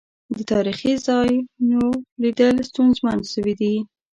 د تاريخي ځا يونوليدل ستونزمن سويدی.